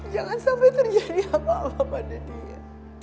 jangan sampai terjadi apa apa pada dia